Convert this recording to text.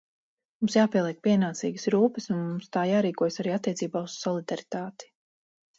Mums jāpieliek pienācīgas rūpes un mums tā jārīkojas arī attiecībā uz solidaritāti.